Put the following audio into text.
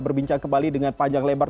berbincang kembali dengan panjang lebar